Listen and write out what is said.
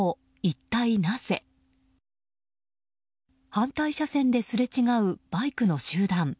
反対車線ですれ違うバイクの集団。